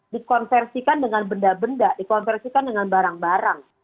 dikonversikan dengan benda benda dikonversikan dengan barang barang